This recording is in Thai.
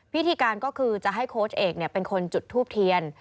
พิธีการก็คือจะให้โค้ชเอกเป็นคนจุดทูบเทียน